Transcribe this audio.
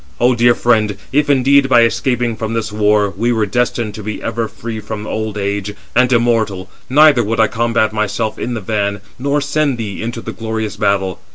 O dear friend, if indeed, by escaping from this war, we were destined to be ever free from old age, and immortal, neither would I combat myself in the van, nor send thee into the glorious battle.